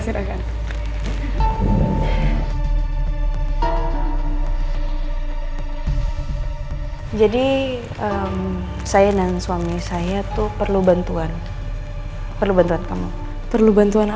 sirakan jadi saya dan suami saya tuh perlu bantuan perlu bantuan kamu perlu bantuan